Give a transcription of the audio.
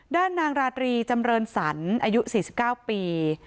ด้านนางราธรีจำเรินสรรค์อายุ๔๙ปี